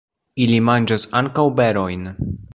Ili manĝas ankaŭ berojn.